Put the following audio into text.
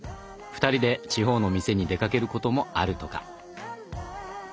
２人で地方の店に出かけることもあるとか。